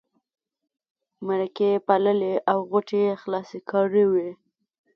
مرکې یې پاللې او غوټې یې خلاصې کړې وې.